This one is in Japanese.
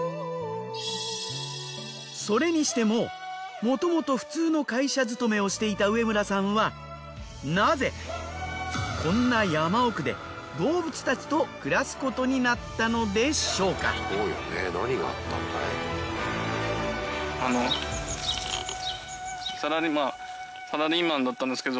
それにしてももともと普通の会社勤めをしていた植村さんはなぜこんな山奥で動物たちと暮らすことになったのでしょうか？って思いましたけど。